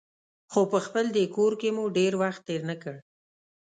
خو په خپل دې کور کې مو ډېر وخت تېر نه کړ.